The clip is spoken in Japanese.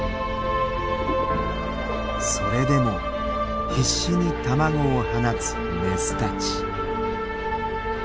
それでも必死に卵を放つメスたち。